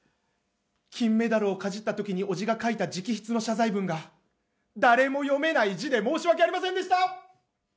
金メダルをかじったときにおじが書いた直筆の謝罪文が誰も読めない字で申し訳ありませんでした！